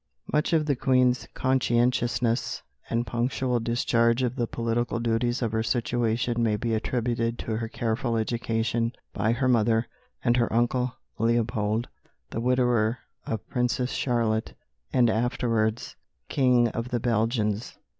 Much of the Queen's conscientiousness and punctual discharge of the political duties of her station may be attributed to her careful education by her mother and her uncle Leopold, the widower of Princess Charlotte, and afterwards King of the Belgians.